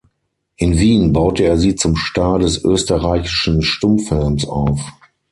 In Wien baute er sie zum Star des österreichischen Stummfilms auf.